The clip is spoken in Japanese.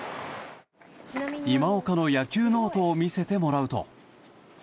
今岡の野球ノートを見せてもらうと。